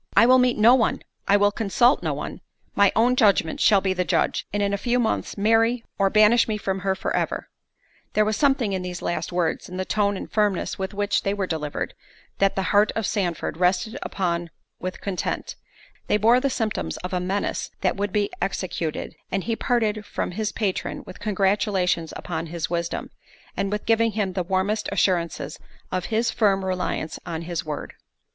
"I will meet no one—I will consult no one—my own judgment shall be the judge, and in a few months marry, or—banish me from her for ever." There was something in these last words, in the tone and firmness with which they were delivered, that the heart of Sandford rested upon with content—they bore the symptoms of a menace that would be executed; and he parted from his patron with congratulations upon his wisdom, and with giving him the warmest assurances of his firm reliance on his word.